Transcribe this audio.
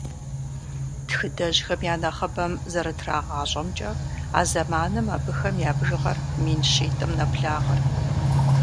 Тхыдэджхэм я нэхъыбэм зэрытрагъащӏэмкӏэ, а зэманым абыхэм я бжыгъэр мин щитӏым нэблагъэрт.